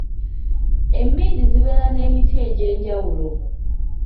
Emmindi zibeera n'emiti egy'enjawulo.